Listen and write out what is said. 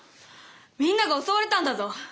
みんなが襲われたんだぞ！